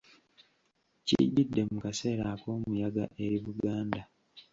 Kujjidde mu kaseera ak’omuyaga eri Buganda